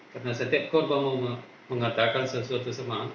karena setiap korban mau mengatakan sesuatu sama